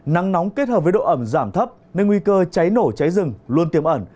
nắng nóng kết hợp với độ ẩm giảm thấp nên nguy cơ cháy nổ cháy rừng luôn tiêm ẩn